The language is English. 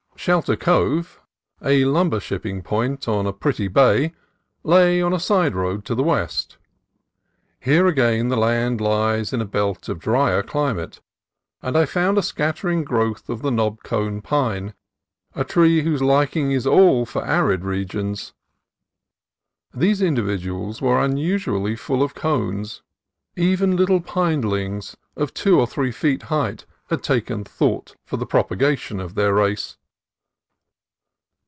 Shelter Cove, a lumber shipping point on a pretty bay, lay on a side road to the west. Here again the land lies in a belt of drier climate, and I found a scattering growth of the knob cone pine, a tree whose liking is all for arid regions. These indi viduals were unusually full of cones ; even little pine lings of two or three feet height had taken thought for the propagation of their race.